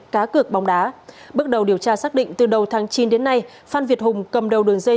cá cược bóng đá bước đầu điều tra xác định từ đầu tháng chín đến nay phan việt hùng cầm đầu đường dây